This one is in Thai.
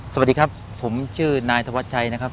สวัสดีครับผมชื่อนายธวัชชัยนะครับ